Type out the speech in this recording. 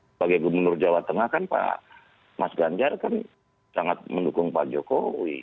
sebagai gubernur jawa tengah kan pak mas ganjar kan sangat mendukung pak jokowi